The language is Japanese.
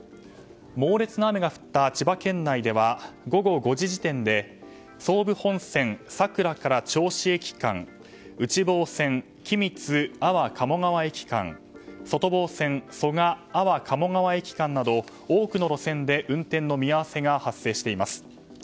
猛烈な雨が降った千葉県内では午後５時時点で総武本線、佐倉から銚子駅間内房線、君津安房鴨川駅間外房線蘇我安房鴨川駅間など多くの路線で運転の見合わせが発生しています。